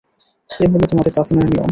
এ হলো তোমাদের দাফনের নিয়ম।